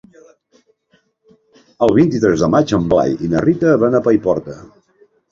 El vint-i-tres de maig en Blai i na Rita van a Paiporta.